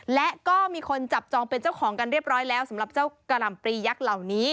และก็มีคนจับจองเป็นเจ้าของกันเรียบร้อยแล้วสำหรับเจ้ากะหล่ำปรียักษ์เหล่านี้